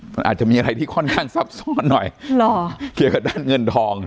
มันอาจจะมีอะไรที่ค่อนข้างซับซ้อนหน่อยหรอเกี่ยวกับด้านเงินทอง